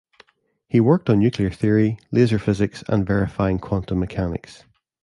He worked on nuclear theory, laser physics, and verifying quantum mechanics.